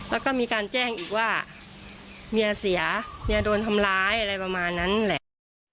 แล้วก็มีการแจ้งอีกว่าเมียเสียเมียโดนทำร้ายอะไรประมาณนั้นแหละ